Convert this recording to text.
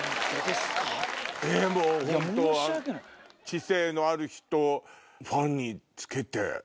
知性のある人ファンにつけて。